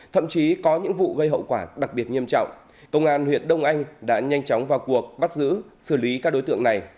thậm chí có những vụ gây hậu quả đặc biệt nghiêm trọng công an huyện đông anh đã nhanh chóng vào cuộc bắt giữ xử lý các đối tượng này